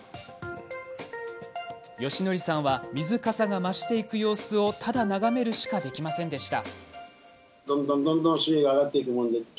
芳徳さんは水かさが増していく様子をただ眺めるしかできませんでした。